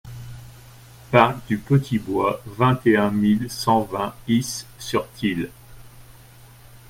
Parc du Petit Bois, vingt et un mille cent vingt Is-sur-Tille